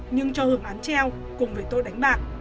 nhưng cho hưởng án treo cùng với tội đánh bạc